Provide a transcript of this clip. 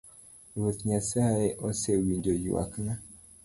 Ruoth nyasaye ose winjo ywakna.